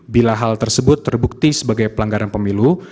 bila hal tersebut terbukti sebagai pelanggaran pemilu